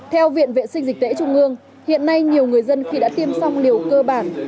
theo viện vệ sinh dịch tễ trung ương hiện nay nhiều người dân khi đã tiêm xong liều cơ bản